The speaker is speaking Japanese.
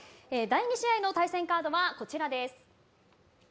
第２試合の対戦カードはこちらです。